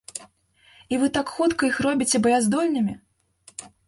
І вы так хутка іх робіце баяздольнымі?!